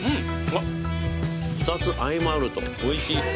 あっ２つ相まるとおいしい。